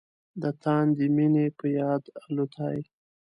د تاندې مينې په یاد الوتای